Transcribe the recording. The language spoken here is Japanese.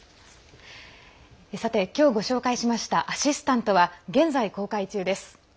今日ご紹介しました「アシスタント」は現在公開中です。